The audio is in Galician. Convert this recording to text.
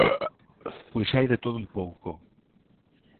Pois hai de todo un pouco.